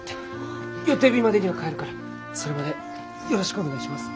予定日までには帰るからそれまでよろしくお願いします。